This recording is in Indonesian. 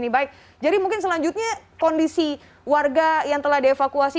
baik jadi mungkin selanjutnya kondisi warga yang telah dievakuasi